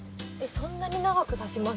そんなに長くさします？